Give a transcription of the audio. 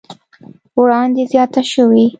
وړاندې زياته شوې